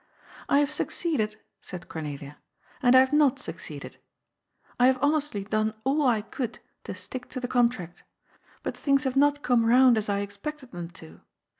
" I have succeeded," said Cornelia, " and I have not suc ceeded. I have honestly done all I could to stick to the contract, but things have not come round as I expected them to.